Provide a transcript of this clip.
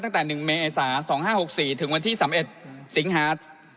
ตั้งแต่๑เมษา๒๕๖๔ถึงวันที่๓๑สิงหา